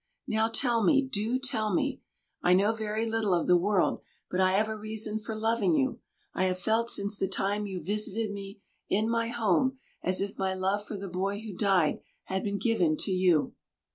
Now, tell me—do tell me. I know very little of the world, but I have a reason for loving you. I have felt since the time you visited me in my home as if my love for the boy who died had been given to you."